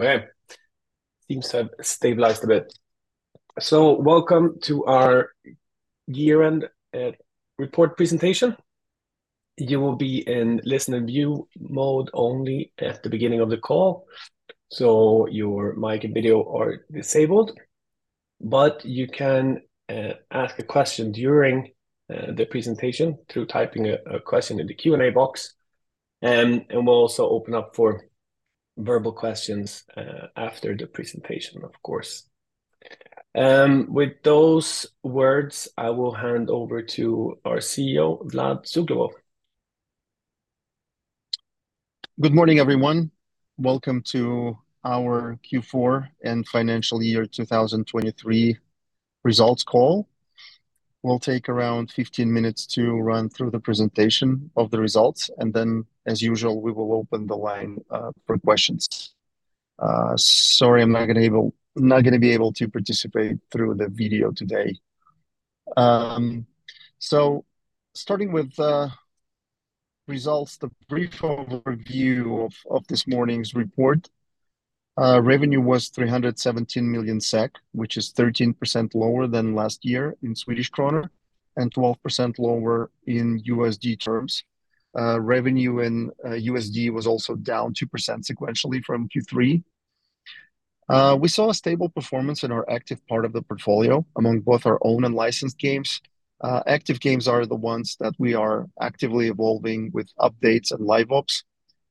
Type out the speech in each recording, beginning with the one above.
Okay, things have stabilized a bit. So welcome to our year-end report presentation. You will be in listen and view mode only at the beginning of the call, so your mic and video are disabled, but you can ask a question during the presentation through typing a question in the Q&A box. And we'll also open up for verbal questions after the presentation, of course. With those words, I will hand over to our Chief Executive Officer, Vlad Suglobov. Good morning, everyone. Welcome to our Q4 and financial year 2023 results call. We'll take around 15 minutes to run through the presentation of the results, and then as usual, we will open the line for questions. Sorry, I'm not gonna be able to participate through the video today. So starting with the results, the brief overview of this morning's report, revenue was 317 million SEK, which is 13% lower than last year in Swedish krona and 12% lower in USD terms. Revenue in USD was also down 2% sequentially from Q3. We saw a stable performance in our active part of the portfolio among both our own and licensed games. Active games are the ones that we are actively evolving with updates and live ops.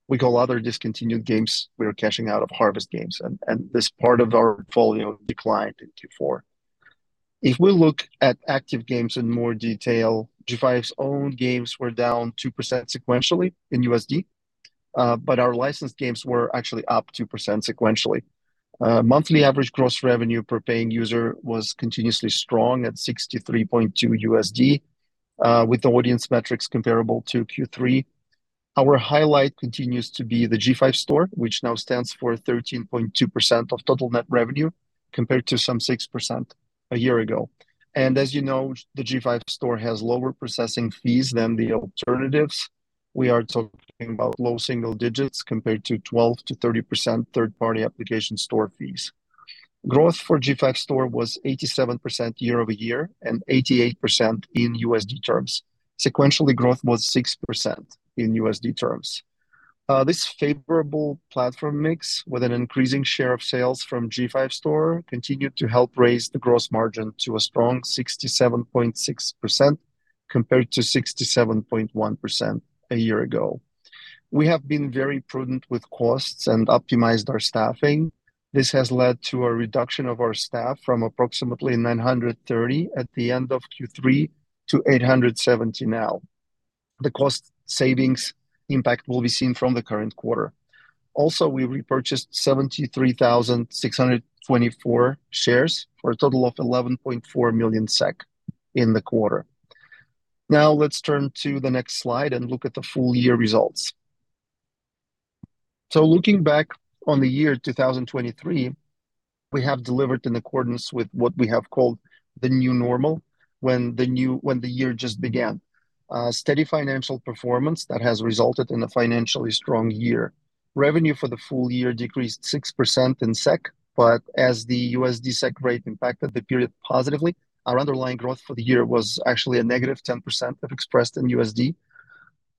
We call other discontinued games we are cashing out of harvest games, and this part of our portfolio declined in Q4. If we look at active games in more detail, G5's own games were down 2% sequentially in USD, but our licensed games were actually up 2% sequentially. Monthly average gross revenue per paying user was continuously strong at $63.2, with audience metrics comparable to Q3. Our highlight continues to be the G5 Store, which now stands for 13.2% of total net revenue, compared to some 6% a year ago. And as you know, the G5 Store has lower processing fees than the alternatives. We are talking about low single digits compared to 12% to 30% third-party application store fees. Growth for G5 Store was 87% year-over-year and 88% in USD terms. Sequentially, growth was 6% in USD terms. This favorable platform mix, with an increasing share of sales from G5 Store, continued to help raise the gross margin to a strong 67.6%, compared to 67.1% a year ago. We have been very prudent with costs and optimized our staffing. This has led to a reduction of our staff from approximately 930 at the end of Q3 to 870 now. The cost savings impact will be seen from the current quarter. Also, we repurchased 73,624 shares, for a total of 11.4 million SEK in the quarter. Now, let's turn to the next slide and look at the full year results. So looking back on the year 2023, we have delivered in accordance with what we have called the new normal when the year just began. Steady financial performance that has resulted in a financially strong year. Revenue for the full year decreased 6% in SEK, but as the USD SEK rate impacted the period positively, our underlying growth for the year was actually a negative 10% if expressed in USD.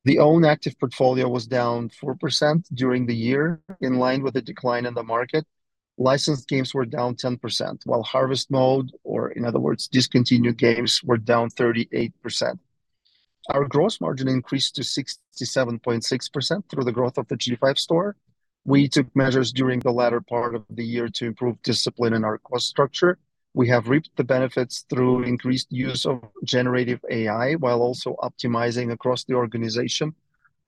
The own active portfolio was down 4% during the year, in line with the decline in the market. Licensed games were down 10%, while harvest mode, or in other words, discontinued games, were down 38%. Our gross margin increased to 67.6% through the growth of the G5 Store. We took measures during the latter part of the year to improve discipline in our cost structure. We have reaped the benefits through increased use of generative AI, while also optimizing across the organization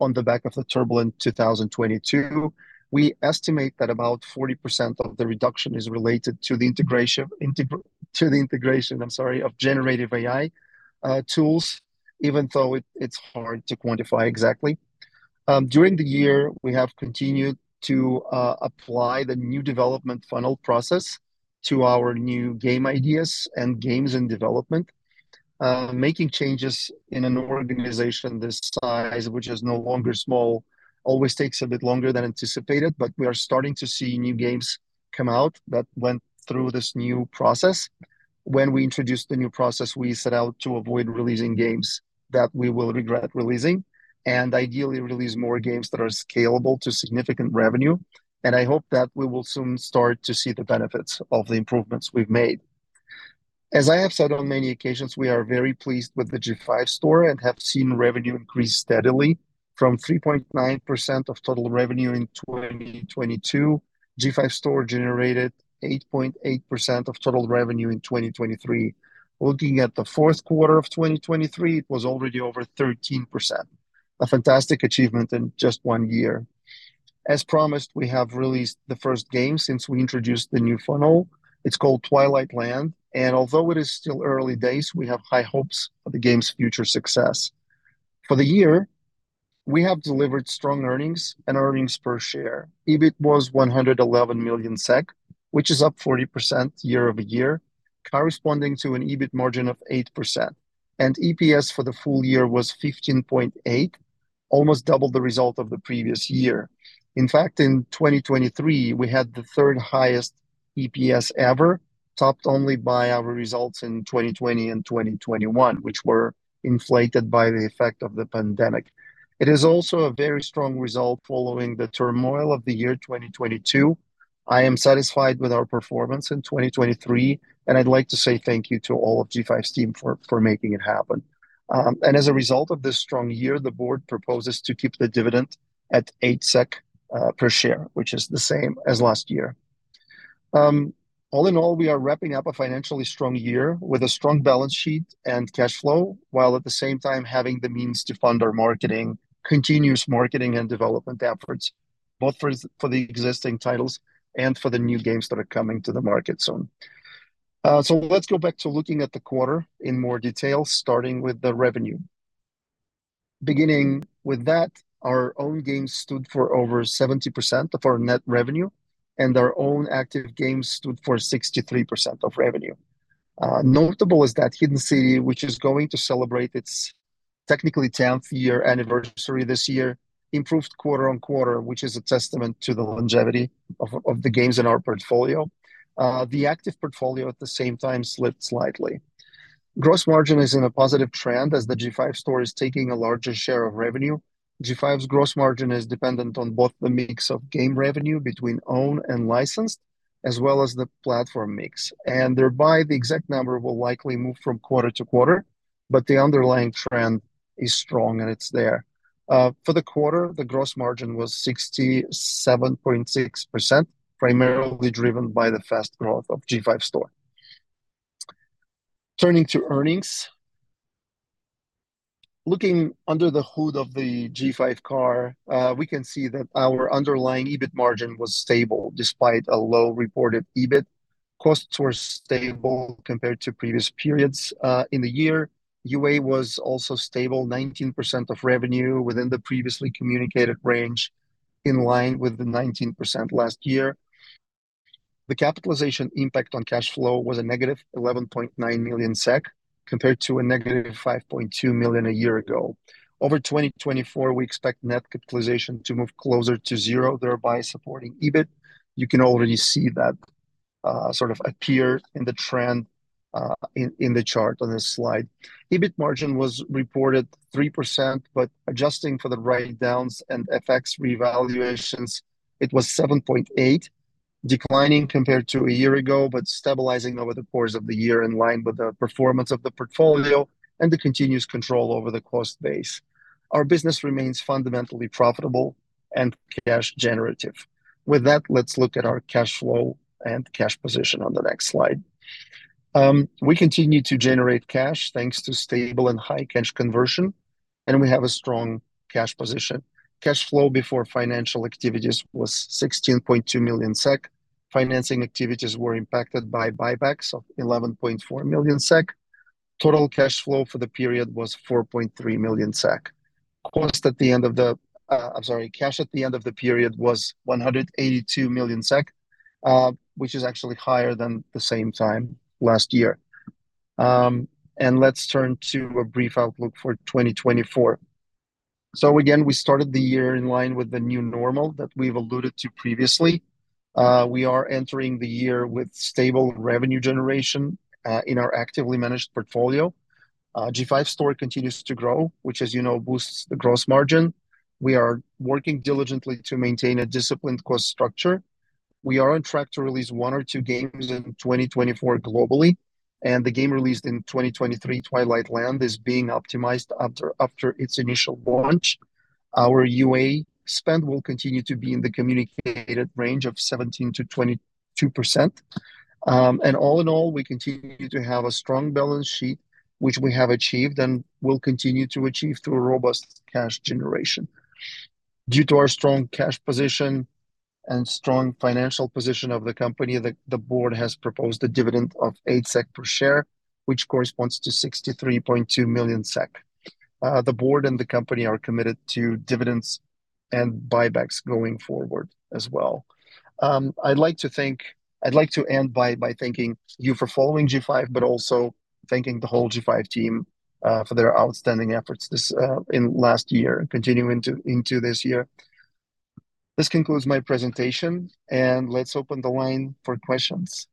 on the back of the turbulent 2022. We estimate that about 40% of the reduction is related to the integration, I'm sorry, of generative AI tools, even though it's hard to quantify exactly. During the year, we have continued to apply the new development funnel process to our new game ideas and games in development. Making changes in an organization this size, which is no longer small, always takes a bit longer than anticipated, but we are starting to see new games come out that went through this new process. When we introduced the new process, we set out to avoid releasing games that we will regret releasing, and ideally, release more games that are scalable to significant revenue, and I hope that we will soon start to see the benefits of the improvements we've made. As I have said on many occasions, we are very pleased with the G5 Store and have seen revenue increase steadily from 3.9% of total revenue in 2022. G5 Store generated 8.8% of total revenue in 2023. Looking at the fourth quarter of 2023, it was already over 13%, a fantastic achievement in just one year. As promised, we have released the first game since we introduced the new funnel. It's called Twilight Land, and although it is still early days, we have high hopes for the game's future success. For the year, we have delivered strong earnings and earnings per share. EBIT was 111 million SEK, which is up 40% year-over-year, corresponding to an EBIT margin of 8%, and EPS for the full year was 15.8, almost double the result of the previous year. In fact, in 2023, we had the third highest EPS ever, topped only by our results in 2020 and 2021, which were inflated by the effect of the pandemic. It is also a very strong result following the turmoil of the year 2022. I am satisfied with our performance in 2023, and I'd like to say thank you to all of G5's team for making it happen. And as a result of this strong year, the board proposes to keep the dividend at 8 SEK per share, which is the same as last year. All in all, we are wrapping up a financially strong year with a strong balance sheet and cash flow, while at the same time having the means to fund our marketing, continuous marketing and development efforts, both for, for the existing titles and for the new games that are coming to the market soon. So let's go back to looking at the quarter in more detail, starting with the revenue. Beginning with that, our own games stood for over 70% of our net revenue, and our own active games stood for 63% of revenue. Notable is that Hidden City, which is going to celebrate its technically tenth-year anniversary this year, improved quarter-over-quarter, which is a testament to the longevity of, of the games in our portfolio. The active portfolio, at the same time, slipped slightly. Gross margin is in a positive trend as the G5 Store is taking a larger share of revenue. G5's gross margin is dependent on both the mix of game revenue between owned and licensed, as well as the platform mix, and thereby the exact number will likely move from quarter to quarter, but the underlying trend is strong, and it's there. For the quarter, the gross margin was 67.6%, primarily driven by the fast growth of G5 Store. Turning to earnings, looking under the hood of the G5 car, we can see that our underlying EBIT margin was stable despite a low reported EBIT. Costs were stable compared to previous periods in the year. UA was also stable, 19% of revenue within the previously communicated range, in line with the 19% last year. The capitalization impact on cash flow was a negative 11.9 million SEK, compared to a negative 5.2 million a year ago. Over 2024, we expect net capitalization to move closer to zero, thereby supporting EBIT. You can already see that, sort of appear in the trend, in the chart on this slide. EBIT margin was reported 3%, but adjusting for the write-downs and FX revaluations, it was 7.8%, declining compared to a year ago, but stabilizing over the course of the year in line with the performance of the portfolio and the continuous control over the cost base. Our business remains fundamentally profitable and cash generative. With that, let's look at our cash flow and cash position on the next slide. We continue to generate cash, thanks to stable and high cash conversion, and we have a strong cash position. Cash flow before financial activities was 16.2 million SEK. Financing activities were impacted by buybacks of 11.4 million SEK. Total cash flow for the period was 4.3 million SEK. Cash at the end of the period was 182 million SEK, which is actually higher than the same time last year. Let's turn to a brief outlook for 2024. So again, we started the year in line with the new normal that we've alluded to previously. We are entering the year with stable revenue generation in our actively managed portfolio. G5 Store continues to grow, which, as you know, boosts the gross margin. We are working diligently to maintain a disciplined cost structure. We are on track to release one or two games in 2024 globally, and the game released in 2023, Twilight Land, is being optimized after its initial launch. Our UA spend will continue to be in the communicated range of 17% to 22%. And all in all, we continue to have a strong balance sheet, which we have achieved and will continue to achieve through a robust cash generation. Due to our strong cash position and strong financial position of the company, the board has proposed a dividend of 8 SEK per share, which corresponds to 63.2 million SEK. The board and the company are committed to dividends and buybacks going forward as well. I'd like to end by thanking you for following G5, but also thanking the whole G5 team for their outstanding efforts this in last year and continuing into this year. This concludes my presentation, and let's open the line for questions.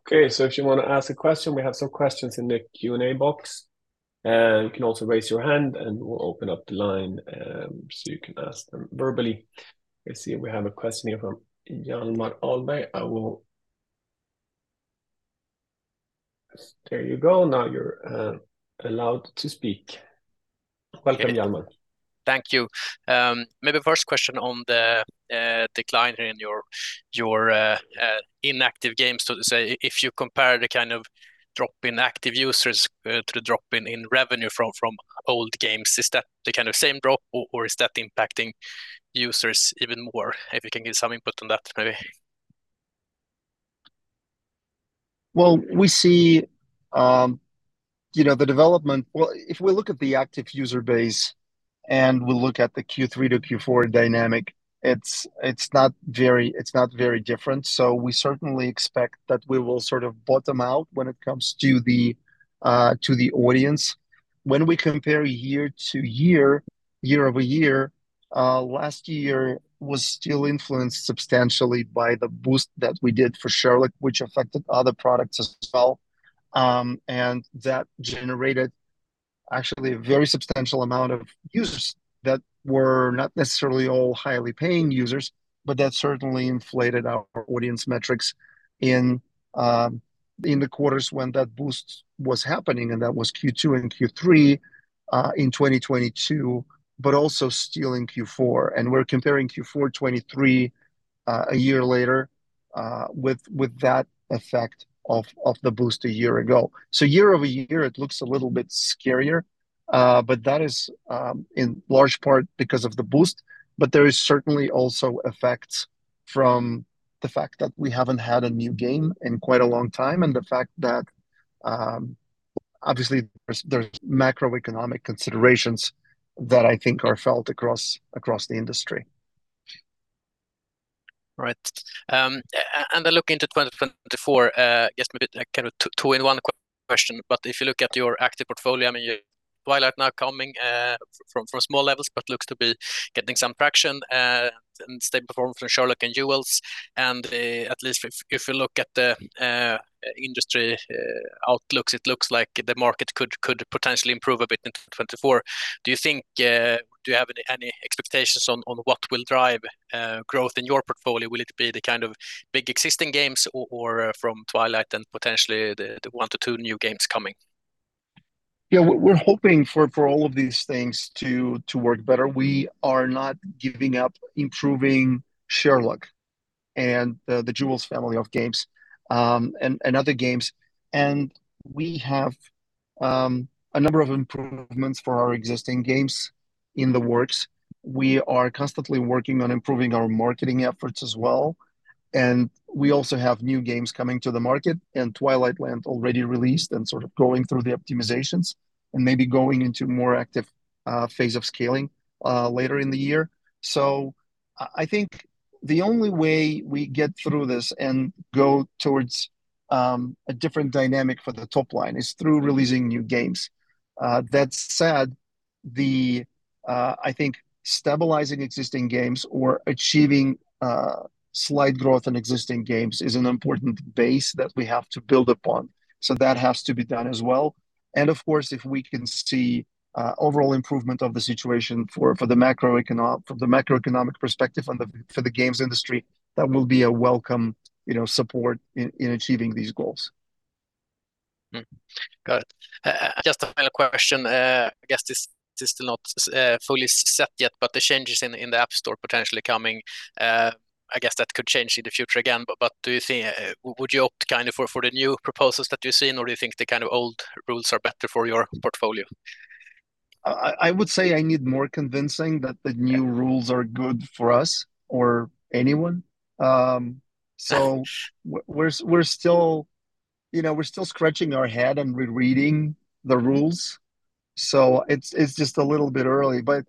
Okay, so if you wanna ask a question, we have some questions in the Q&A box, and you can also raise your hand, and we'll open up the line, so you can ask them verbally. Let's see, we have a question here from Hjalmar Ahlberg. There you go. Now you're allowed to speak. Welcome, Hjalmar. Thank you. Maybe first question on the decline in your inactive games, so to say, if you compare the kind of drop in active users to the drop in revenue from old games, is that the kind of same drop, or is that impacting users even more? If you can give some input on that, maybe. Well, we see, you know, the development. Well, if we look at the active user base and we look at the Q3 to Q4 dynamic, it's not very different. So we certainly expect that we will sort of bottom out when it comes to the audience. When we compare year to year, year-over-year, last year was still influenced substantially by the boost that we did for Sherlock, which affected other products as well. And that generated actually a very substantial amount of users that were not necessarily all highly paying users, but that certainly inflated our audience metrics in, in the quarters when that boost was happening, and that was Q2 and Q3 in 2022, but also still in Q4. And we're comparing Q4 2023, a year later, with, with that effect of, of the boost a year ago. So year-over-year, it looks a little bit scarier, but that is, in large part because of the boost. But there is certainly also effects from the fact that we haven't had a new game in quite a long time, and the fact that, obviously, there's, there's macroeconomic considerations that I think are felt across, across the industry. Right. And then looking into 2024, I guess maybe kind of two-in-one question, but if you look at your active portfolio, I mean, Twilight now coming from small levels, but looks to be getting some traction, and stable performance from Sherlock and Jewels. And at least if you look at the industry outlooks, it looks like the market could potentially improve a bit in 2024. Do you think... Do you have any expectations on what will drive growth in your portfolio? Will it be the kind of big existing games or from Twilight and potentially the 1-2 new games coming? Yeah, we're hoping for all of these things to work better. We are not giving up improving Sherlock and the Jewels family of games, and other games. We have a number of improvements for our existing games in the works. We are constantly working on improving our marketing efforts as well, and we also have new games coming to the market, and Twilight Land already released and sort of going through the optimizations, and maybe going into more active phase of scaling later in the year. So I think the only way we get through this and go towards a different dynamic for the top line is through releasing new games. That said, I think stabilizing existing games or achieving slight growth in existing games is an important base that we have to build upon, so that has to be done as well. And of course, if we can see overall improvement of the situation from the macroeconomic perspective and for the games industry, that will be a welcome, you know, support in achieving these goals. Mm-hmm. Got it. Just a final question. I guess this is still not fully set yet, but the changes in the App Store potentially coming, I guess that could change in the future again, but do you think would you opt kind of for the new proposals that you've seen, or do you think the kind of old rules are better for your portfolio? I would say I need more convincing that the new rules are good for us or anyone. Sure. So we're still, you know, we're still scratching our head and rereading the rules, so it's just a little bit early. But,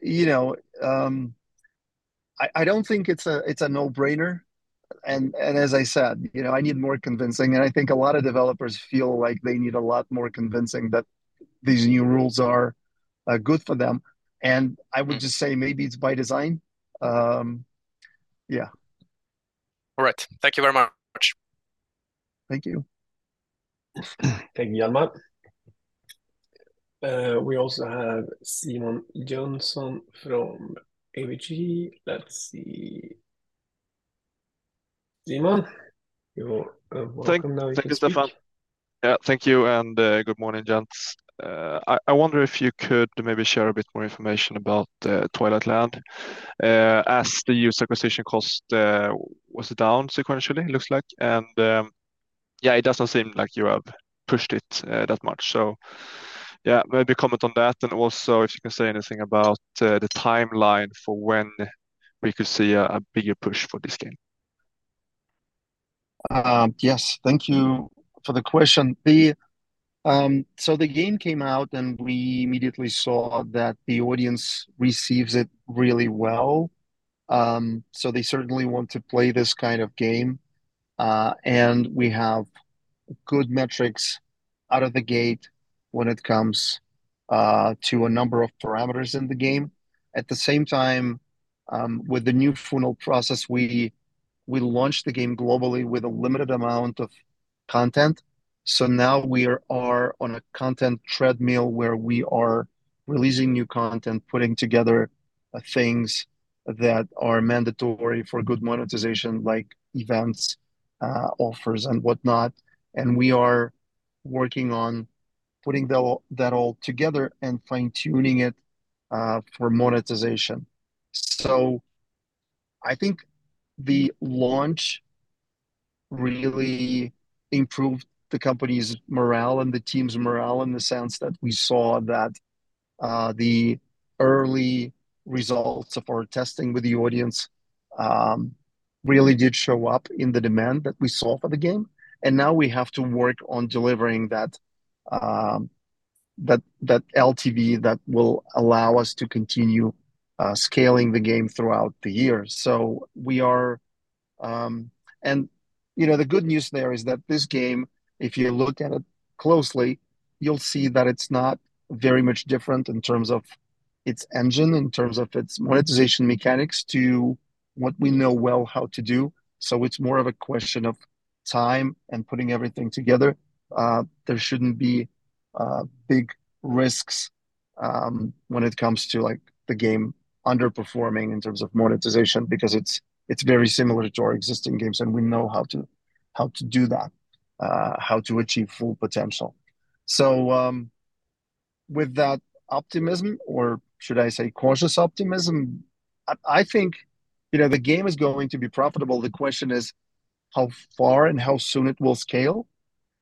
you know, I don't think it's a no-brainer. And as I said, you know, I need more convincing, and I think a lot of developers feel like they need a lot more convincing that these new rules are good for them. And I would just say maybe it's by design. Yeah. All right. Thank you very much. Thank you. Thank you, Hjalmar. We also have Simon Jonsson from ABG. Let's see. Simon, you are welcome now you speak. Thank you, Stefan. Yeah, thank you, and good morning, gents. I wonder if you could maybe share a bit more information about Twilight Land. As the user acquisition cost was down sequentially, it looks like. And yeah, it doesn't seem like you have pushed it that much. So yeah, maybe comment on that, and also if you can say anything about the timeline for when we could see a bigger push for this game. Yes, thank you for the question. The, so the game came out, and we immediately saw that the audience receives it really well. So they certainly want to play this kind of game, and we have good metrics out of the gate when it comes to a number of parameters in the game. At the same time, with the new funnel process, we launched the game globally with a limited amount of content. So now we are on a content treadmill, where we are releasing new content, putting together things that are mandatory for good monetization, like events, offers, and whatnot, and we are working on putting that all together and fine-tuning it for monetization. So I think the launch really improved the company's morale and the team's morale in the sense that we saw that, the early results of our testing with the audience, really did show up in the demand that we saw for the game, and now we have to work on delivering that, that, that LTV that will allow us to continue, scaling the game throughout the year. So we are, and, you know, the good news there is that this game, if you look at it closely, you'll see that it's not very much different in terms of its engine, in terms of its monetization mechanics to what we know well how to do. So it's more of a question of time and putting everything together. There shouldn't be big risks when it comes to, like, the game underperforming in terms of monetization because it's very similar to our existing games, and we know how to do that, how to achieve full potential. So, with that optimism, or should I say cautious optimism, I think, you know, the game is going to be profitable. The question is how far and how soon it will scale,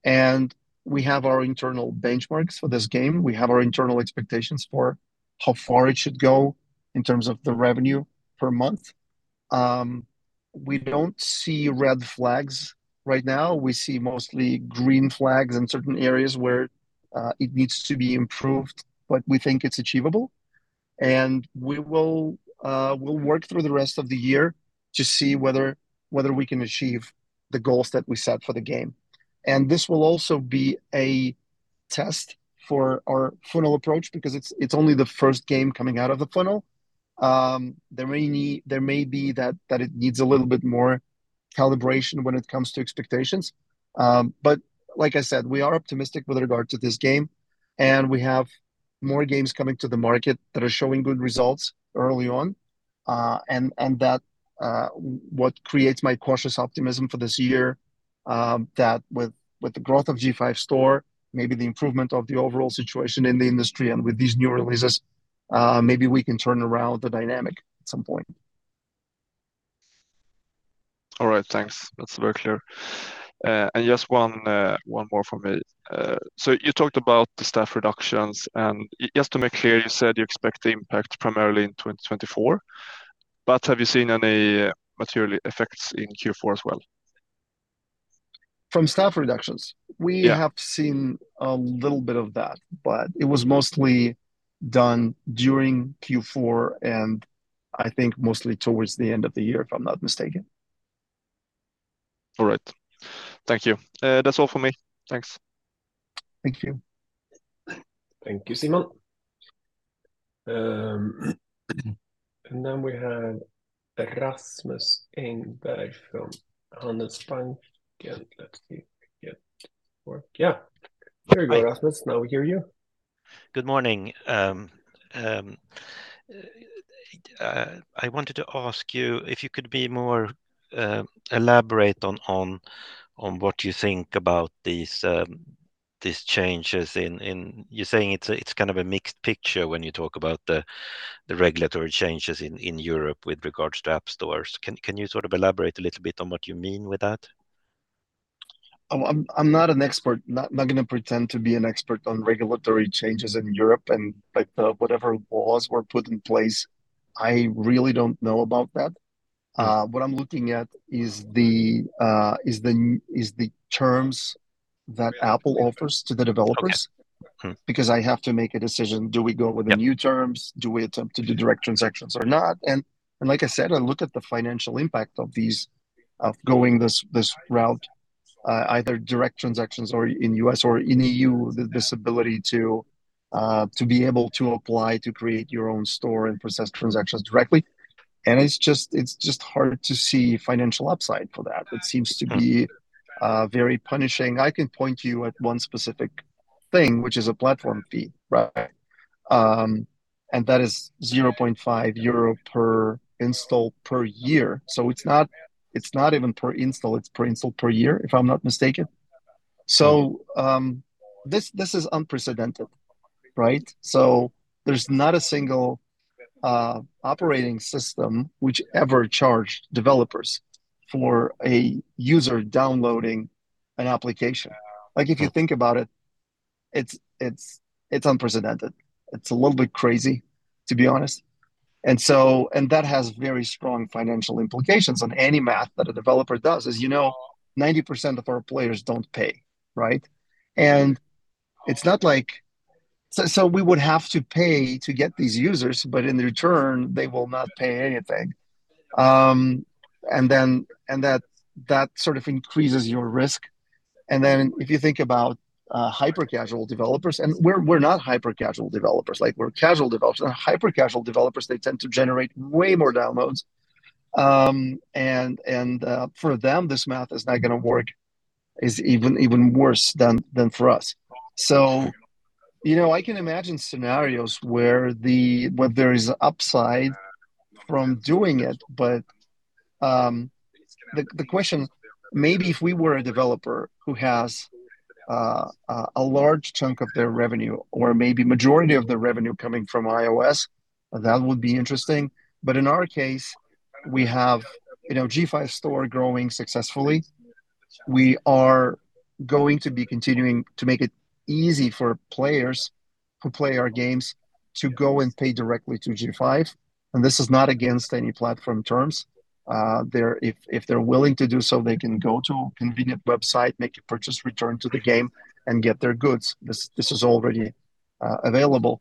and we have our internal benchmarks for this game. We have our internal expectations for how far it should go in terms of the revenue per month. We don't see red flags right now. We see mostly green flags in certain areas where it needs to be improved, but we think it's achievable, and we will we'll work through the rest of the year to see whether whether we can achieve the goals that we set for the game. And this will also be a test for our funnel approach because it's it's only the first game coming out of the funnel. There may be that that it needs a little bit more calibration when it comes to expectations. But like I said, we are optimistic with regard to this game, and we have more games coming to the market that are showing good results early on. And that, what creates my cautious optimism for this year, that with the growth of G5 Store, maybe the improvement of the overall situation in the industry and with these new releases, maybe we can turn around the dynamic at some point. All right, thanks. That's very clear. Just one more from me. You talked about the staff reductions, and just to make clear, you said you expect the impact primarily in 2024, but have you seen any material effects in Q4 as well? From staff reductions? Yeah. We have seen a little bit of that, but it was mostly done during Q4, and I think mostly towards the end of the year, if I'm not mistaken. All right. Thank you. That's all for me. Thanks. Thank you. Thank you, Simon. Then we have Rasmus Engberg from Handelsbanken. Let's see if it gets to work. Yeah. Here we go, Rasmus, now we hear you. Good morning. I wanted to ask you if you could be more elaborate on what you think about these changes in... You're saying it's kind of a mixed picture when you talk about the regulatory changes in Europe with regards to app stores. Can you sort of elaborate a little bit on what you mean with that? I'm not an expert, not gonna pretend to be an expert on regulatory changes in Europe, and, like, the whatever laws were put in place, I really don't know about that. What I'm looking at is the terms that Apple offers to the developers. Okay. Mm-hmm. Because I have to make a decision. Do we go with the new terms? Do we attempt to do direct transactions or not? And like I said, I looked at the financial impact of these, of going this route, either direct transactions or in U.S. or in E.U., this ability to be able to apply to create your own store and process transactions directly, and it's just hard to see financial upside for that. It seems to be very punishing. I can point you at one specific thing, which is a platform fee, right? And that is 0.5 euro per install per year. So it's not even per install, it's per install per year, if I'm not mistaken. So this is unprecedented, right? So there's not a single operating system which ever charged developers for a user downloading an application. Like, if you think about it, it's unprecedented. It's a little bit crazy, to be honest. And that has very strong financial implications on any math that a developer does, as you know, 90% of our players don't pay, right? And it's not like... So we would have to pay to get these users, but in return, they will not pay anything. And then that sort of increases your risk. And then if you think about hyper-casual developers, and we're not hyper-casual developers, like we're casual developers. And hyper-casual developers, they tend to generate way more downloads. And for them, this math is not gonna work. It's even worse than for us. So, you know, I can imagine scenarios where there is upside from doing it, but maybe if we were a developer who has a large chunk of their revenue or maybe majority of their revenue coming from iOS, that would be interesting. But in our case, we have, you know, G5 Store growing successfully. We are going to be continuing to make it easy for players who play our games to go and pay directly to G5, and this is not against any platform terms. If they're willing to do so, they can go to a convenient website, make a purchase, return to the game, and get their goods. This is already available.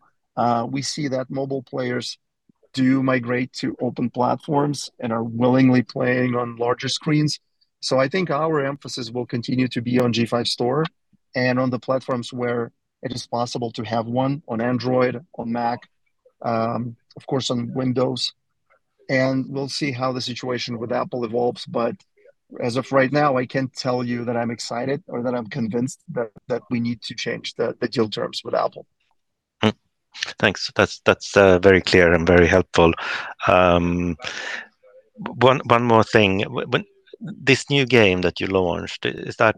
We see that mobile players do migrate to open platforms and are willingly playing on larger screens. So I think our emphasis will continue to be on G5 Store and on the platforms where it is possible to have one, on Android, on Mac, of course, on Windows, and we'll see how the situation with Apple evolves. But as of right now, I can tell you that I'm excited or that I'm convinced that, that we need to change the, the deal terms with Apple. Thanks. That's very clear and very helpful. One more thing. When this new game that you launched, is that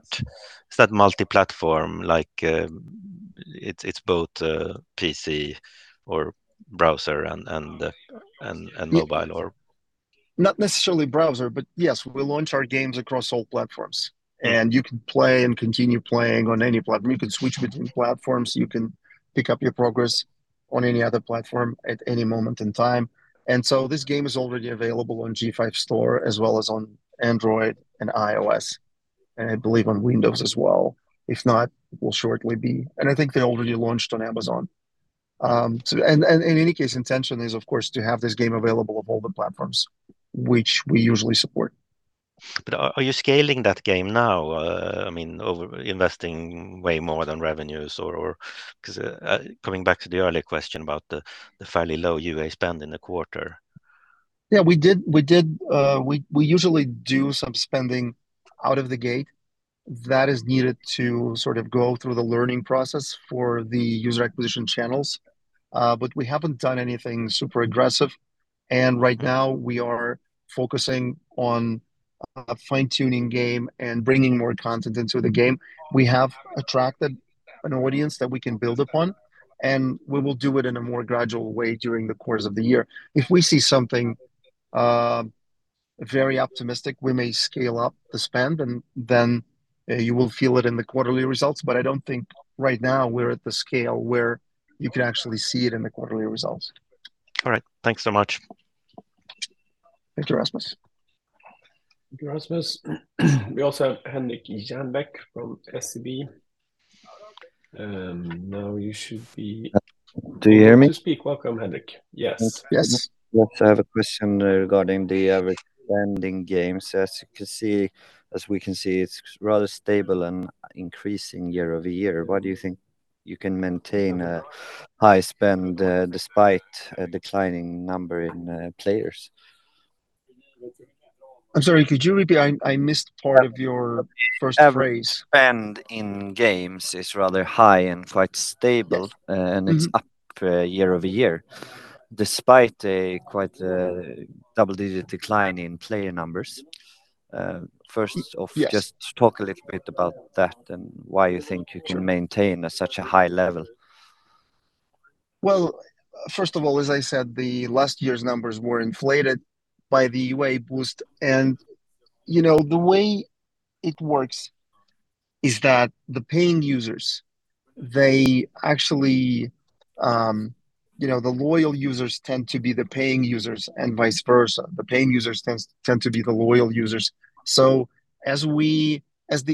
multi-platform like it's both PC or browser and mobile or? Not necessarily browser, but yes, we launch our games across all platforms, and you can play and continue playing on any platform. You can switch between platforms, you can pick up your progress on any other platform at any moment in time. And so this game is already available on G5 Store, as well as on Android and iOS, and I believe on Windows as well. If not, will shortly be. And I think they already launched on Amazon. And in any case, intention is, of course, to have this game available on all the platforms which we usually support. But are you scaling that game now? I mean, over investing way more than revenues or...? 'Cause, coming back to the earlier question about the fairly low UA spend in the quarter. Yeah, we did, we did, we, we usually do some spending out of the gate. That is needed to sort of go through the learning process for the user acquisition channels, but we haven't done anything super aggressive, and right now we are focusing on, fine-tuning game and bringing more content into the game. We have attracted an audience that we can build upon, and we will do it in a more gradual way during the course of the year. If we see something, very optimistic, we may scale up the spend, and then, you will feel it in the quarterly results. But I don't think right now we're at the scale where you can actually see it in the quarterly results. All right. Thanks so much. Thank you, Rasmus. Thank you, Rasmus. We also have Henrik Jernbeck from SEB. Now you should be- Do you hear me? - to speak. Welcome, Henrik. Yes. Yes. Well, I have a question regarding the average spending games. As you can see, as we can see, it's rather stable and increasing year-over-year. Why do you think you can maintain a high spend despite a declining number in players? I'm sorry, could you repeat? I missed part of your first phrase. Average spend in games is rather high and quite stable- Yes. Mm-hmm... and it's up year-over-year, despite a quite double-digit decline in player numbers. First off- Yes... just talk a little bit about that and why you think you can maintain such a high level. Well, first of all, as I said, the last year's numbers were inflated by the UA boost. And, you know, the way it works is that the paying users, they actually, you know, the loyal users tend to be the paying users, and vice versa. The paying users tend to be the loyal users. So as the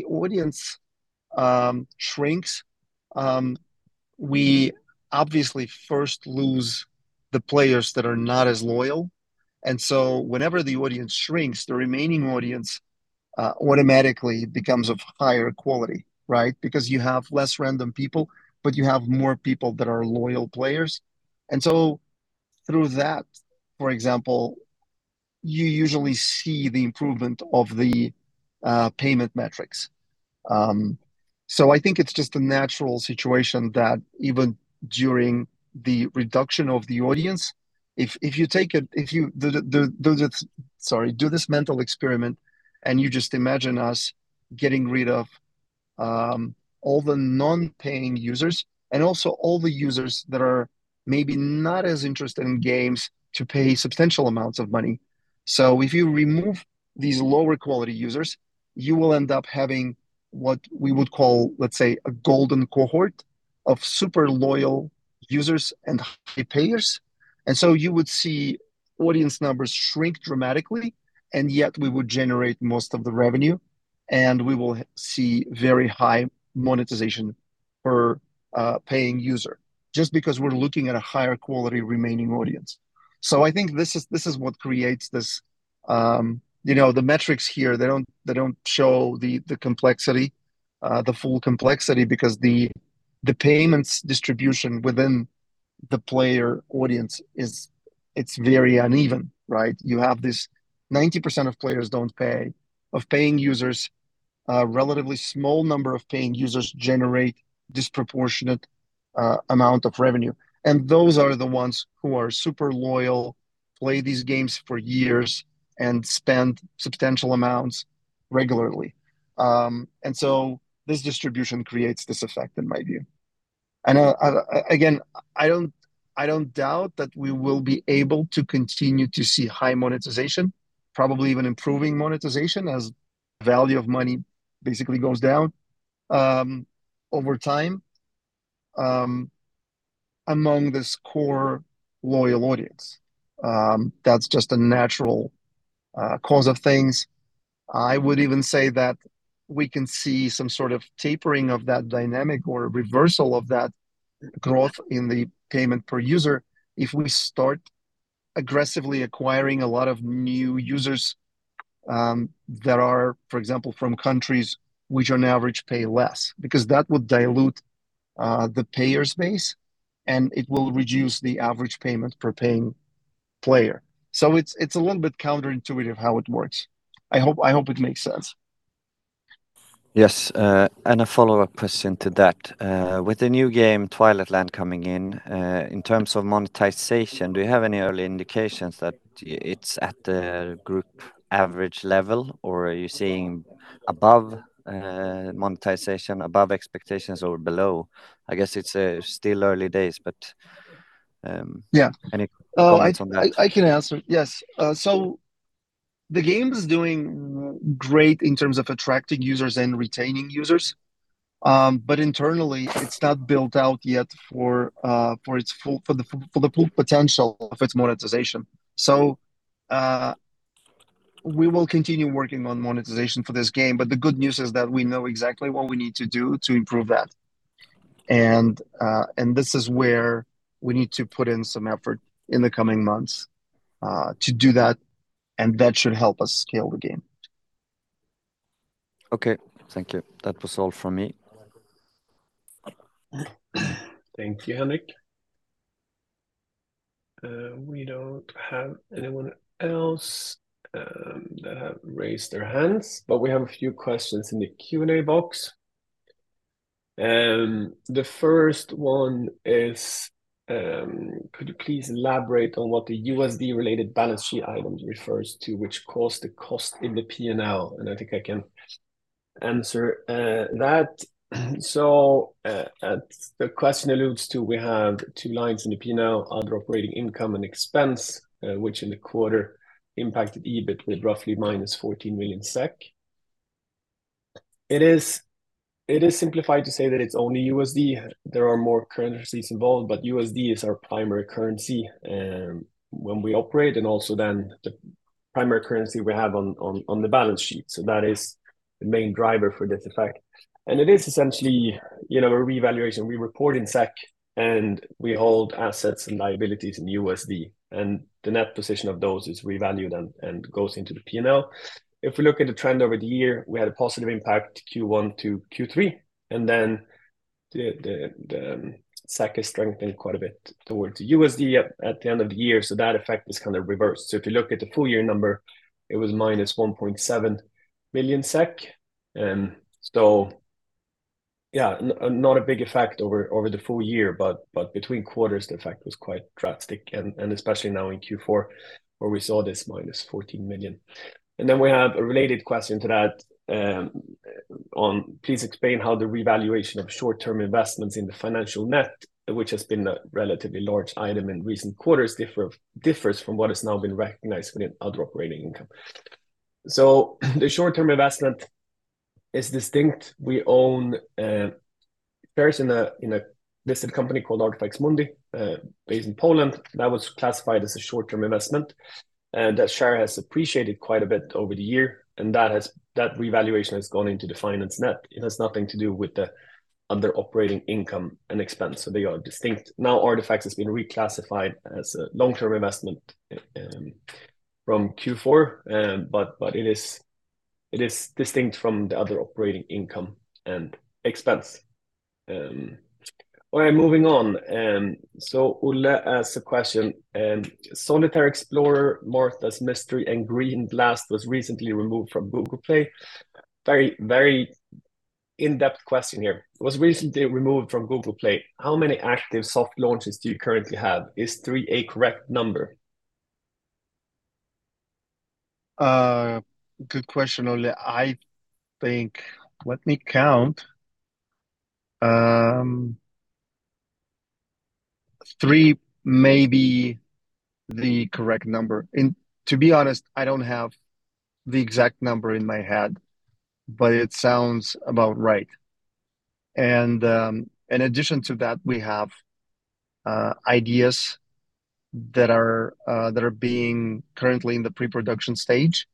audience shrinks, we obviously first lose the players that are not as loyal, and so whenever the audience shrinks, the remaining audience automatically becomes of higher quality, right? Because you have less random people, but you have more people that are loyal players. And so through that, for example, you usually see the improvement of the payment metrics. So I think it's just a natural situation that even during the reduction of the audience, do this mental experiment, and you just imagine us getting rid of all the non-paying users and also all the users that are maybe not as interested in games to pay substantial amounts of money. So if you remove these lower quality users, you will end up having what we would call, let's say, a golden cohort of super loyal users and high payers. And so you would see audience numbers shrink dramatically, and yet we would generate most of the revenue, and we will see very high monetization per paying user, just because we're looking at a higher quality remaining audience. So I think this is, this is what creates this. You know, the metrics here, they don't show the complexity, the full complexity, because the payments distribution within the player audience is it's very uneven, right? You have this 90% of players don't pay. Of paying users, a relatively small number of paying users generate disproportionate amount of revenue, and those are the ones who are super loyal, play these games for years, and spend substantial amounts regularly. And so this distribution creates this effect, in my view. And again, I don't doubt that we will be able to continue to see high monetization, probably even improving monetization as value of money basically goes down over time among this core loyal audience. That's just a natural course of things. I would even say that we can see some sort of tapering of that dynamic or a reversal of that growth in the payment per user if we start aggressively acquiring a lot of new users, that are, for example, from countries which on average pay less. Because that would dilute, the payer's base, and it will reduce the average payment per paying player. So it's a little bit counterintuitive how it works. I hope, I hope it makes sense. Yes, and a follow-up question to that. With the new game, Twilight Land, coming in, in terms of monetization, do you have any early indications that it's at the group average level, or are you seeing above monetization, above expectations or below? I guess it's still early days, but. Yeah Any comments on that? I can answer. Yes. So the game is doing great in terms of attracting users and retaining users. But internally, it's not built out yet for the full potential of its monetization. So we will continue working on monetization for this game, but the good news is that we know exactly what we need to do to improve that. And this is where we need to put in some effort in the coming months to do that, and that should help us scale the game. Okay, thank you. That was all from me. Thank you, Henrik. We don't have anyone else, that have raised their hands, but we have a few questions in the Q&A box. The first one is: "Could you please elaborate on what the USD-related balance sheet items refers to, which caused the cost in the P&L?" And I think I can answer, that. So, the question alludes to we have two lines in the P&L, other operating income and expense, which in the quarter impacted EBIT with roughly -14 million SEK. It is, it is simplified to say that it's only USD. There are more currencies involved, but USD is our primary currency, when we operate, and also then the primary currency we have on, on, on the balance sheet, so that is the main driver for this effect. And it is essentially, you know, a revaluation. We report in SEK, and we hold assets and liabilities in USD, and the net position of those is revalued and goes into the P&L. If we look at the trend over the year, we had a positive impact, Q1 to Q3, and then the SEK has strengthened quite a bit towards USD at the end of the year, so that effect is kind of reversed. So if you look at the full year number, it was -1.7 million SEK. So yeah, not a big effect over the full year, but between quarters, the effect was quite drastic, and especially now in Q4, where we saw this -14 million. Then we have a related question to that on, "Please explain how the revaluation of short-term investments in the financial net, which has been a relatively large item in recent quarters, differs from what has now been recognized within other operating income." So the short-term investment is distinct. We own shares in a listed company called Artifex Mundi, based in Poland. That was classified as a short-term investment, and that share has appreciated quite a bit over the year, and that revaluation has gone into the finance net. It has nothing to do with the other operating income and expense, so they are distinct. Now, Artifex has been reclassified as a long-term investment from Q4, but it is distinct from the other operating income and expense. All right, moving on. So Ole asked a question: "Solitaire Explorer: Martha's Mystery and Green Blast was recently removed from Google Play." Very, very in-depth question here. "It was recently removed from Google Play. How many active soft launches do you currently have? Is three a correct number? Good question, Ole. I think... Let me count. 3 may be the correct number. To be honest, I don't have the exact number in my head, but it sounds about right. In addition to that, we have ideas that are being currently in the pre-production stage,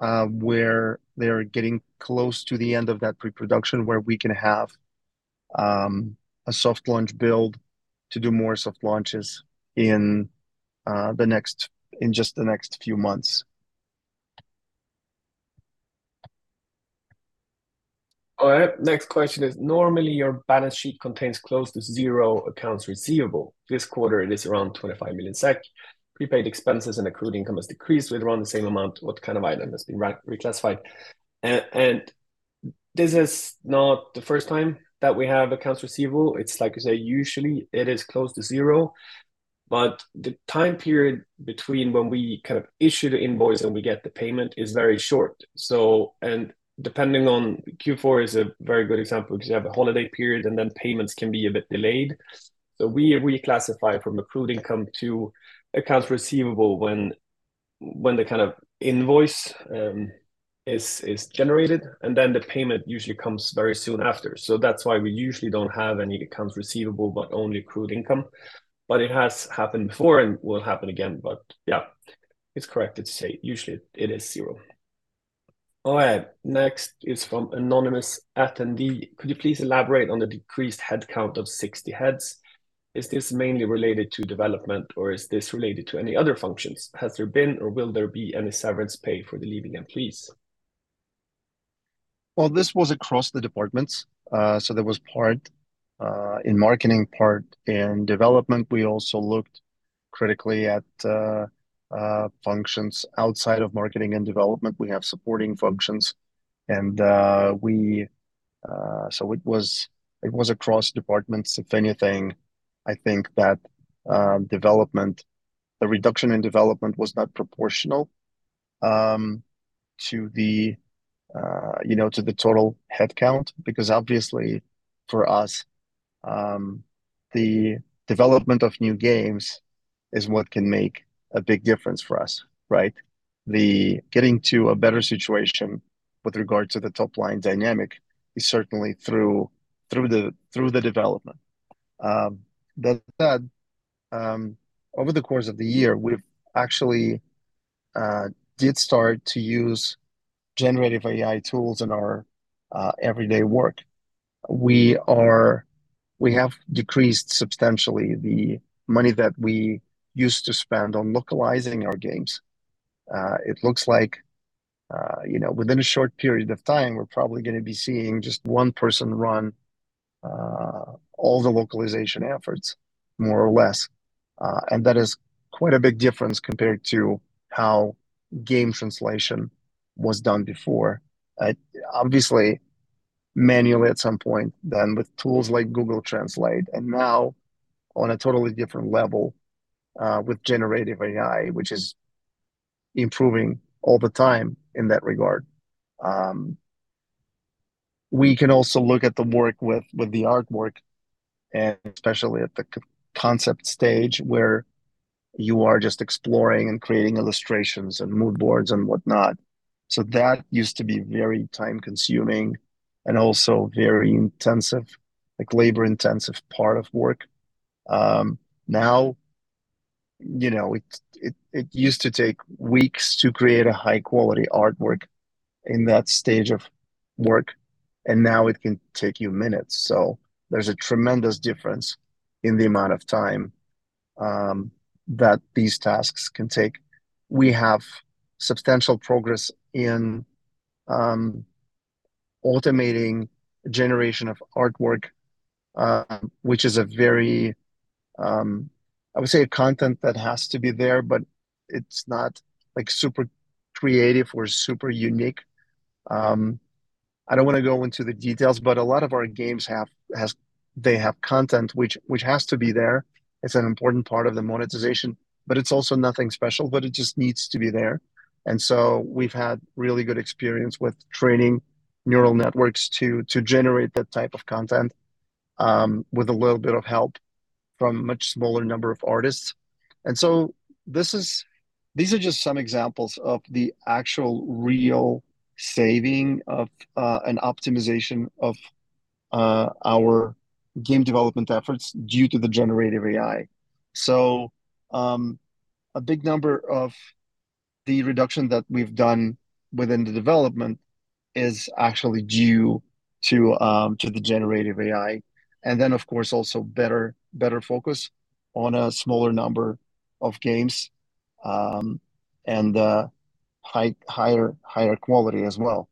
where they are getting close to the end of that pre-production, where we can have a soft launch build to do more soft launches in just the next few months. All right, next question is, "Normally, your balance sheet contains close to zero accounts receivable. This quarter, it is around 25 million SEK. Prepaid expenses and accrued income has decreased with around the same amount. What kind of item has been reclassified?" And this is not the first time that we have accounts receivable. It's like you say, usually it is close to zero, but the time period between when we kind of issue the invoice and we get the payment is very short. So, and depending on Q4 is a very good example, because you have a holiday period, and then payments can be a bit delayed. So we classify from accrued income to accounts receivable when the kind of invoice is generated, and then the payment usually comes very soon after. So that's why we usually don't have any accounts receivable, but only accrued income. But it has happened before, and will happen again. But yeah, it's correct to say usually it is zero. All right, next is from anonymous attendee. "Could you please elaborate on the decreased headcount of 60 heads? Is this mainly related to development, or is this related to any other functions? Has there been or will there be any severance pay for the leaving employees? Well, this was across the departments. So there was part in marketing, part in development. We also looked critically at functions outside of marketing and development. We have supporting functions, and so it was across departments. If anything, I think that development, the reduction in development was not proportional to you know, to the total headcount. Because obviously, for us, the development of new games is what can make a big difference for us, right? The getting to a better situation with regard to the top-line dynamic is certainly through the development. That said, over the course of the year, we've actually did start to use generative AI tools in our everyday work. We have decreased substantially the money that we used to spend on localizing our games. It looks like, you know, within a short period of time, we're probably gonna be seeing just one person run all the localization efforts, more or less. And that is quite a big difference compared to how game translation was done before. Obviously, manually at some point, then with tools like Google Translate, and now on a totally different level with Generative AI, which is improving all the time in that regard. We can also look at the work with the artwork, and especially at the concept stage, where you are just exploring and creating illustrations and mood boards and whatnot. So that used to be very time-consuming, and also very intensive, like labor-intensive part of work. Now, you know, it used to take weeks to create a high-quality artwork in that stage of work, and now it can take you minutes. So there's a tremendous difference in the amount of time that these tasks can take. We have substantial progress in automating generation of artwork, which is a very... I would say content that has to be there, but it's not, like, super creative or super unique. I don't wanna go into the details, but a lot of our games have content which has to be there. It's an important part of the monetization, but it's also nothing special, but it just needs to be there. And so we've had really good experience with training neural networks to generate that type of content with a little bit of help from a much smaller number of artists. And so this is—these are just some examples of the actual real saving of an optimization of our game development efforts due to the generative AI. So a big number of the reduction that we've done within the development is actually due to the generative AI, and then, of course, also better focus on a smaller number of games and higher quality as well.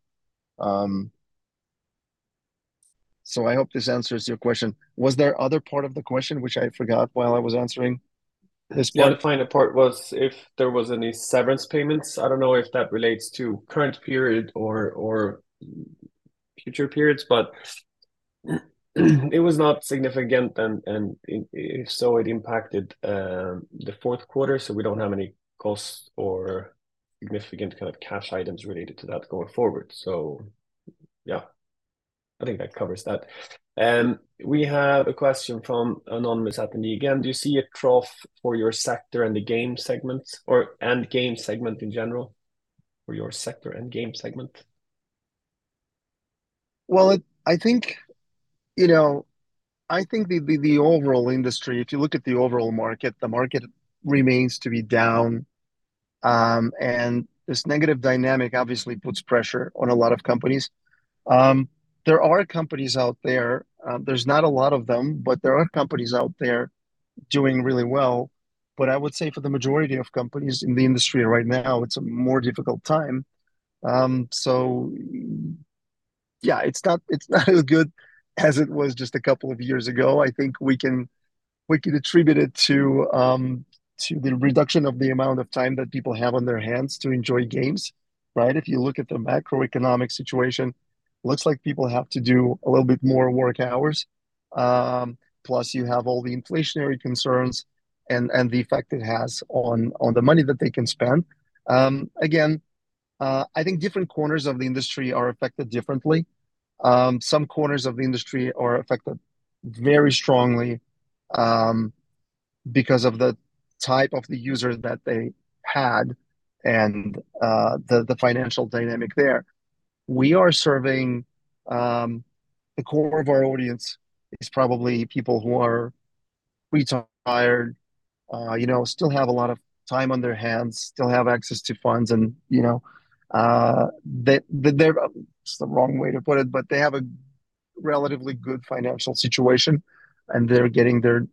So I hope this answers your question. Was there other part of the question, which I forgot while I was answering this part? The other part was if there was any severance payments. I don't know if that relates to current period or future periods, but it was not significant, and if so, it impacted the fourth quarter, so we don't have any costs or significant kind of cash items related to that going forward. So yeah, I think that covers that. And we have a question from anonymous attendee again: "Do you see a trough for your sector and the game segments or, and game segment in general, for your sector and game segment? Well, I think, you know, I think the overall industry, if you look at the overall market, the market remains to be down. And this negative dynamic obviously puts pressure on a lot of companies. There are companies out there, there's not a lot of them, but there are companies out there doing really well. But I would say for the majority of companies in the industry right now, it's a more difficult time. So yeah, it's not as good as it was just a couple of years ago. I think we can attribute it to the reduction of the amount of time that people have on their hands to enjoy games, right? If you look at the macroeconomic situation, looks like people have to do a little bit more work hours. Plus you have all the inflationary concerns and the effect it has on the money that they can spend. Again, I think different corners of the industry are affected differently. Some corners of the industry are affected very strongly because of the type of the user that they had and the financial dynamic there. We are serving the core of our audience is probably people who are retired, you know, still have a lot of time on their hands, still have access to funds, and, you know, they—it's the wrong way to put it, but they have a relatively good financial situation, and they're getting their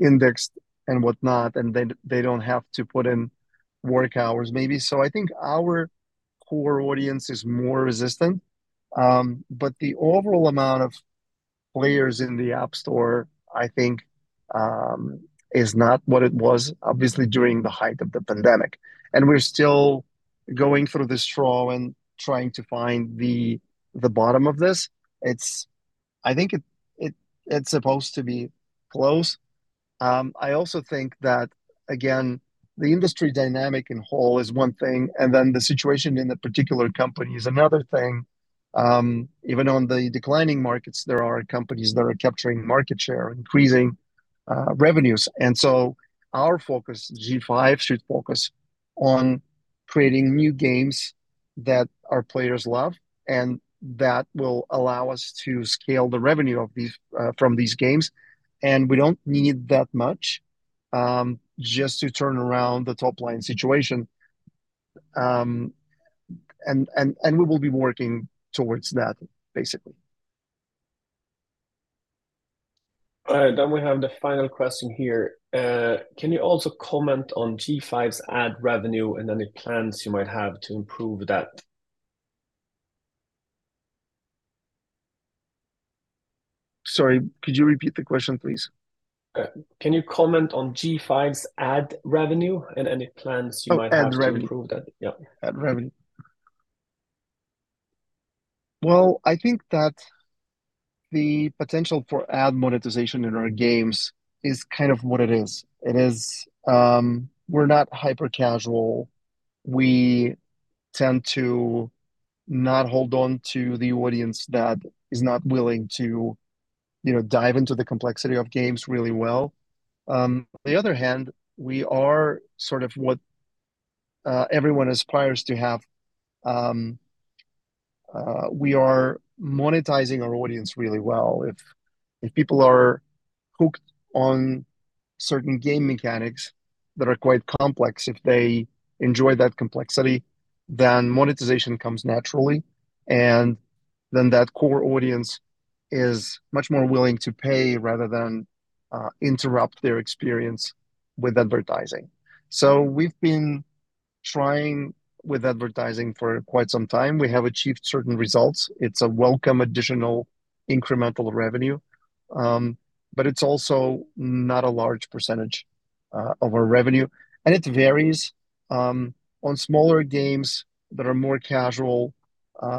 indexed and whatnot, and they don't have to put in work hours maybe. So I think our core audience is more resistant. But the overall amount of players in the App Store, I think, is not what it was obviously during the height of the pandemic, and we're still going through this trough and trying to find the bottom of this. I think it's supposed to be close. I also think that, again, the industry dynamic in whole is one thing, and then the situation in the particular company is another thing. Even on the declining markets, there are companies that are capturing market share, increasing revenues. And so our focus, G5, should focus on creating new games that our players love, and that will allow us to scale the revenue of these from these games. And we don't need that much just to turn around the top-line situation. And we will be working towards that, basically. All right, then we have the final question here. Can you also comment on G5's ad revenue and any plans you might have to improve that? Sorry, could you repeat the question, please? Okay, can you comment on G5's ad revenue and any plans you might have? Oh, ad revenue.... to improve that? Yeah. Ad revenue. Well, I think that the potential for ad monetization in our games is kind of what it is. It is, we're not hyper casual. We tend to not hold on to the audience that is not willing to, you know, dive into the complexity of games really well. On the other hand, we are sort of what everyone aspires to have. We are monetizing our audience really well. If, if people are hooked on certain game mechanics that are quite complex, if they enjoy that complexity, then monetization comes naturally, and then that core audience is much more willing to pay rather than interrupt their experience with advertising. So we've been trying with advertising for quite some time. We have achieved certain results. It's a welcome additional incremental revenue, but it's also not a large percentage of our revenue, and it varies. On smaller games that are more casual,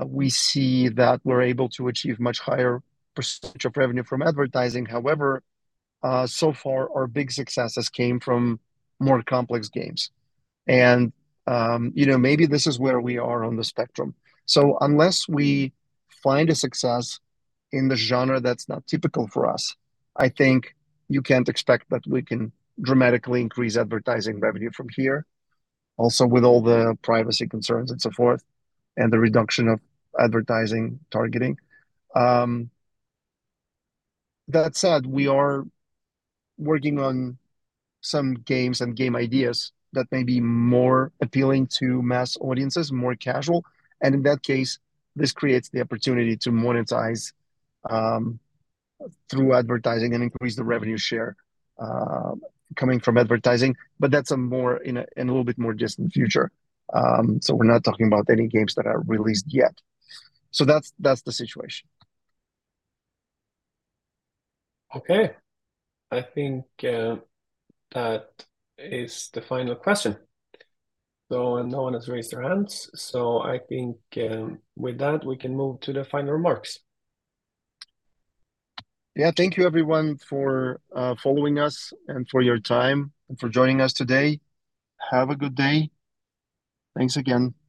we see that we're able to achieve much higher percentage of revenue from advertising. However, so far, our big successes came from more complex games and, you know, maybe this is where we are on the spectrum. So unless we find a success in the genre that's not typical for us, I think you can't expect that we can dramatically increase advertising revenue from here. Also, with all the privacy concerns and so forth, and the reduction of advertising targeting. That said, we are working on some games and game ideas that may be more appealing to mass audiences, more casual, and in that case, this creates the opportunity to monetize through advertising and increase the revenue share coming from advertising, but that's a more in a little bit more distant future. So we're not talking about any games that are released yet. So that's, that's the situation. Okay. I think that is the final question. So, no one has raised their hands, so I think, with that, we can move to the final remarks. Yeah. Thank you everyone for following us and for your time, and for joining us today. Have a good day. Thanks again.